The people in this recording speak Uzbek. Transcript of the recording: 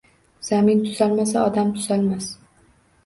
Zamin tuzalmasa – Odam tuzalmas!